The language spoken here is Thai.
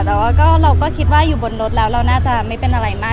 แต่ว่าเราก็คิดว่าอยู่บนรถแล้วเราน่าจะไม่เป็นอะไรมาก